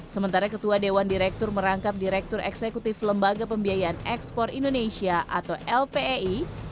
sementara ketua dewan direktur merangkap direktur eksekutif lembaga pembiayaan ekspor indonesia atau lpei